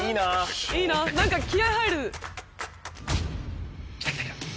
いいな何か気合入る。